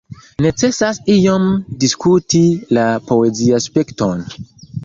Necesas iom diskuti la poeziaspekton.